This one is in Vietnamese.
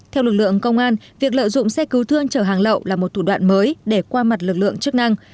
theo lực lượng công an việc lợi dụng xe cứu thương chở hàng lậu là một thủ đoạn mới để qua mặt lực lượng chức năng